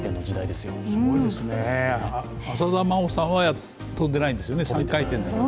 すごいですね、浅田真央さんは跳んでないんですよね、３回転と。